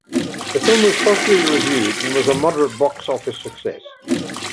The film was positively reviewed and was a moderate box office success.